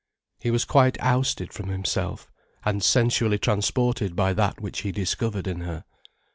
He was quite ousted from himself, and sensually transported by that which he discovered in her.